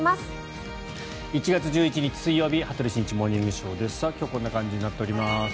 １月１１日、水曜日「羽鳥慎一モーニングショー」。今日はこんな感じになっております。